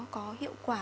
có hiệu quả